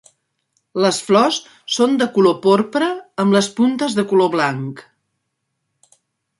Les flors són de color porpra amb les puntes de color blanc.